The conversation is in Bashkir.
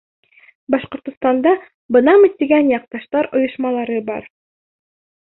Башҡортостанда бынамын тигән яҡташтар ойошмалары бар.